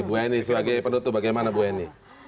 bagi penduduk bagaimana bu heni